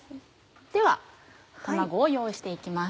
では卵を用意して行きます。